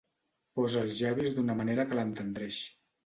Posa els llavis d'una manera que l'entendreix.